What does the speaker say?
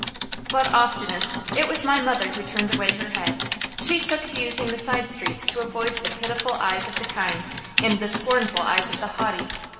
But oftenest it was my mother who turned away her head. She took to using the side streets to avoid the pitiful eyes of the kind, and the scornful eyes of the haughty.